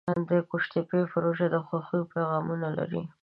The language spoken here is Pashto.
د قوشتېپې پروژه د خوښیو پیغامونه لري.